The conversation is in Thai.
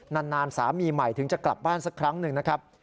นานสามีใหม่ถึงจะกลับบ้านสักครั้งหนึ่งนะครับ